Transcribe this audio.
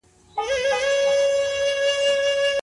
تاسو به له خپل ژوند څخه په رښتینې مانا راضي اوسئ.